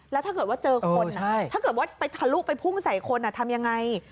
แล้วถ้าเกิดว่าเจอคนถ้าเกิดว่าไปทะลุไปพุ่งใส่คนทำยังไง